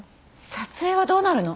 撮影はどうなるの？